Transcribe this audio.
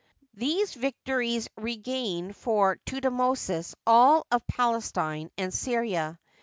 These victories re gained for Thutmosis all of Palestine and Syria.